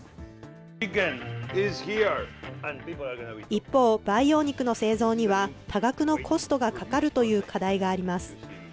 一方、培養肉の製造には多額のコストがかかるという課題があります。